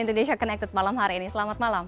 indonesia connected malam hari ini selamat malam